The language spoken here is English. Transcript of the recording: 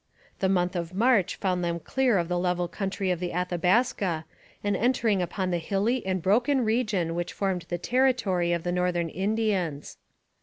The month of March found them clear of the level country of the Athabaska and entering upon the hilly and broken region which formed the territory of the Northern Indians.